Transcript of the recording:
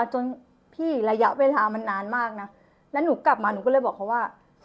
จนพี่ระยะเวลามันนานมากนะแล้วหนูกลับมาหนูก็เลยบอกเขาว่า